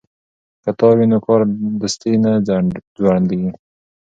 که تار وي نو کارډستي نه ځوړندیږي.